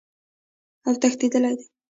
اوتښتیدلی دي